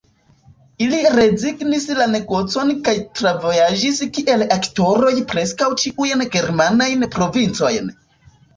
Ili rezignis la negocon kaj travojaĝis kiel aktoroj preskaŭ ĉiujn germanajn provincojn.